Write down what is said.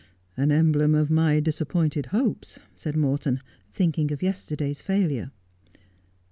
' An emblem of my disappointed hopes,' said Morton, thinking of yesterday's failure.